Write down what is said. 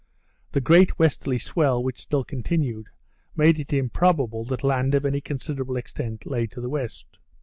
The great westerly swell, which still continued, made it improbable that land of any considerable extent lay to the west.